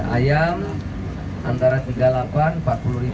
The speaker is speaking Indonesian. ayam antara rp tiga puluh delapan rp empat puluh